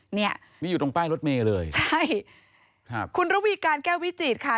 เนี่ยนี่อยู่ตรงป้ายรถเมย์เลยใช่ครับคุณระวีการแก้ววิจิตค่ะ